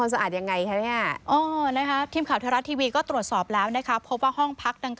โอ้โฮยขี้นก